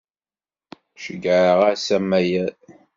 Ceyyɛeɣ-as amayel.